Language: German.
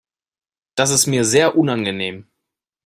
Das ist mir sehr unangenehm.